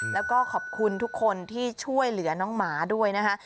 แล้วก็ขอบคุณทุกคนที่ช่วยเหลือน้องหมาด้วยนะคะ